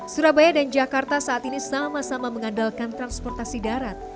surabaya dan jakarta saat ini sama sama mengandalkan transportasi darat